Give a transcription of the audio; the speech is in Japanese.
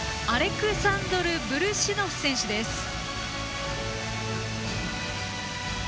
アレクサンドル・ブルシュノフ選手です。